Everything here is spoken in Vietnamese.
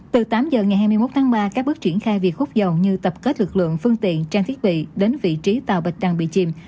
từ tám giờ ngày hai mươi một tháng ba các bước triển khai việc hút dòng như tập kết lực lượng phương tiện trang thiết bị đến vị trí tàu bạch trang bị chìm